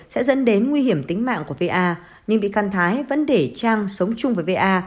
sẽ dẫn đến nguy hiểm tính mạng của va nhưng bị can thái vẫn để trang sống chung với va